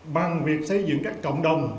bằng việc xây dựng các cộng đồng